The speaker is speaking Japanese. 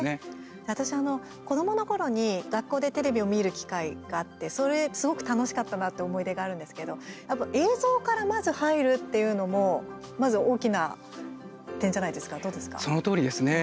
私、子どものころに学校でテレビを見る機会があってそれ、すごく楽しかったなって思い出があるんですけど映像からまず入るっていうのもそのとおりですね。